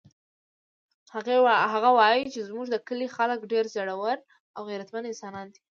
هغه وایي چې زموږ د کلي خلک ډېر زړور او غیرتمن انسانان دي